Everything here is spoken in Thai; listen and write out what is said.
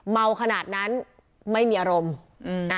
เมาขนาดนั้นไม่มีอารมณ์นะ